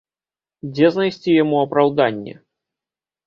Дзе знайсці яму апраўданне?